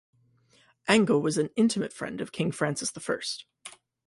Ango was an intimate friend of King Francis the First.